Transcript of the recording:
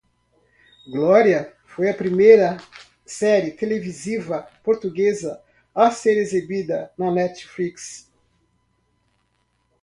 "Glória" foi a primeira série televisiva portuguesa a ser exibida na Netflix.